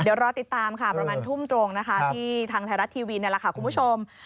เดี๋ยวรอติดตามประมาณทุ่มตรงทางไทยรัฐทีวีคุณผู้ชม